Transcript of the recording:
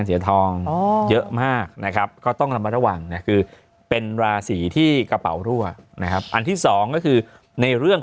สรุปเขาจะไปยุโรปด้วยกันไหม